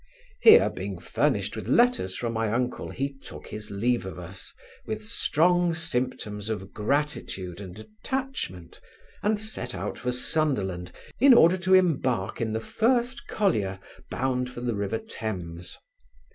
Here, being furnished with letters from my uncle, he took his leave of us, with strong symptoms of gratitude and attachment, and set out for Sunderland, in order to embark in the first collier, bound for the river Thames.